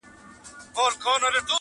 يوه ورځ سره غونډيږي -